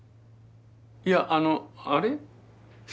いやあのあれ？